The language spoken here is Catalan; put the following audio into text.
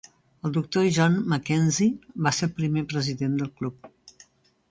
El doctor John Mackenzie va ser el primer president del club.